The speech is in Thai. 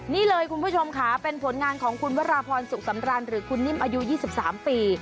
นี่เลยคุณผู้ชมค่ะเป็นผลงานของคุณวราพรสุขสำราญหรือคุณนิ่มอายุ๒๓ปี